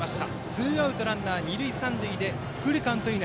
ツーアウトランナー、二塁三塁フルカウント。